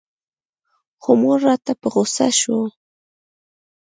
خو مور راته په غوسه سوه.